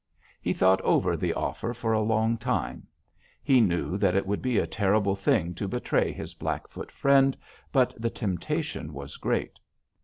He thought over the offer for a long time. He knew that it would be a terrible thing to betray his Blackfoot friend, but the temptation was great.